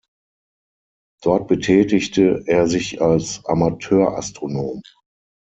Dort betätigte er sich als Amateurastronom.